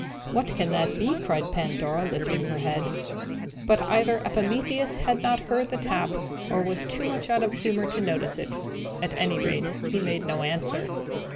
"What can that be?" cried Pandora, lifting her head. But either Epimetheus had not heard the tap, or was too much out of humour to notice it. At any rate, he made no answer.